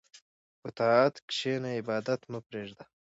په طاعت کښېنه، عبادت مه پرېږده.